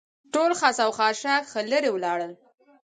ټول خس او خاشاک ښه لرې ولاړل.